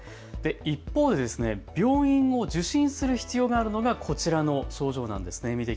一方で病院を受診する必要があるのがこちらの症状です。